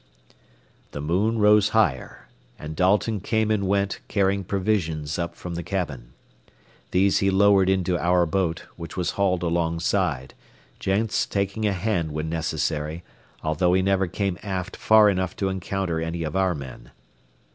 XVI The moon rose higher, and Dalton came and went, carrying provisions up from the cabin. These he lowered into our boat, which was hauled alongside, Jenks taking a hand when necessary, although he never came aft far enough to encounter any of our men.